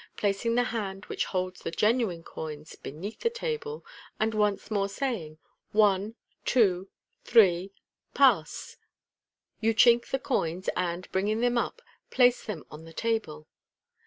Placing the hand which holds the genuine coins beneath the table, and once more saying, " One, two, three I MODERN MA GIC. 185 Pass !" you chink the coins, and, bringing them up, place them on the table.